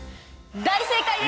大正解です！